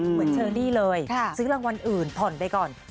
เหมือนเมื่อเทอร์นี่เลยซื้อรางวัลอื่นผ่อนไปก่อน